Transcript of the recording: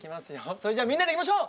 それじゃみんなでいきましょう！